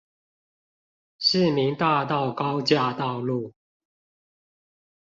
市民大道高架道路